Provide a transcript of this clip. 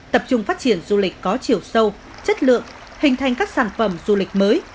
tập trung phát triển du lịch có chiều sâu chất lượng hình thành các sản phẩm du lịch mới